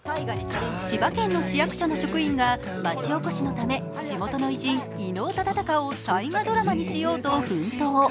千葉県の市役所の職員が町おこしのため、地元の偉人・伊能忠敬を大河ドラマにしようと奮闘。